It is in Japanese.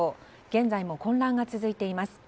現在も混乱が続いています。